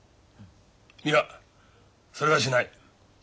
いやそれはしない。